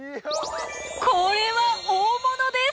これは大物です！